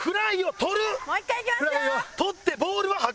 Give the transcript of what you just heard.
捕ってボールは箱！